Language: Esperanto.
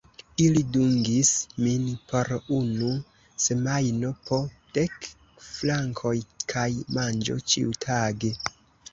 Ili dungis min por unu semajno, po dek frankoj kaj manĝo ĉiutage.